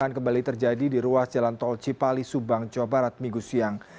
kecelakaan kembali terjadi di ruas jalan tol cipali subang jawa barat minggu siang